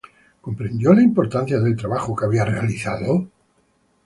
¿Comprendió la importancia del trabajo que había realizado?